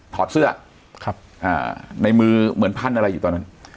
ถอดเสื้อในมือเหมือนพันอะไรอยู่ตอนนั้น